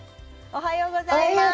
おはようございます。